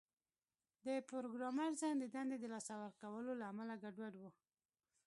د پروګرامر ذهن د دندې د لاسه ورکولو له امله ګډوډ و